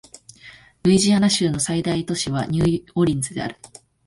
ルイジアナ州の最大都市はニューオーリンズである